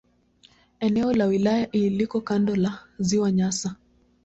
Eneo la wilaya hii liko kando la Ziwa Nyasa.